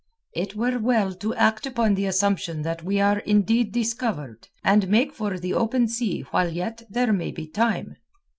"It were well to act upon the assumption that we are indeed discovered, and make for the open sea while yet there may be time."